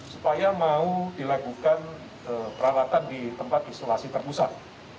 supaya mau dilakukan perawatan di tempat isolasi terpusat